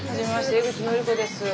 江口のりこです。